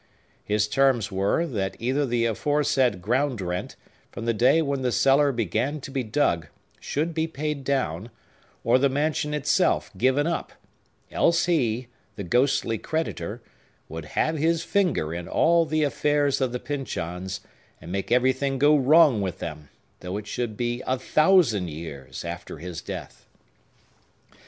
His terms were, that either the aforesaid ground rent, from the day when the cellar began to be dug, should be paid down, or the mansion itself given up; else he, the ghostly creditor, would have his finger in all the affairs of the Pyncheons, and make everything go wrong with them, though it should be a thousand years after his death.